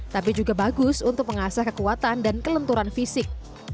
tapi juga bagus untuk mengasah kekuatan dan kelenturan fisik